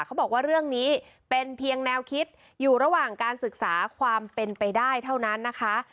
เขาบอกว่าเรื่องนี้เป็นเพียงแนวคิดอยู่ระหว่างการศึกษาความเป็นไปได้เท่านั้นนะคะ